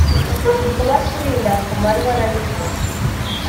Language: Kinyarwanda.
kubaturinda ku manywa na nijoro